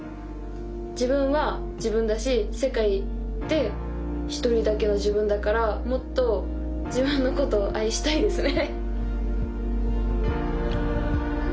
自分は自分だし世界で一人だけの自分だからもっと自分のことを愛したいですね。